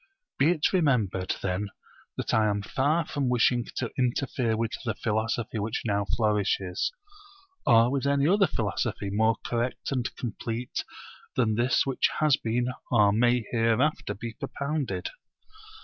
Be it remembered then that I am far from wishing to interfere with the philosophy which now flourishes, or with any other philosophy more correct and complete than this which has been or may hereafter be propounded.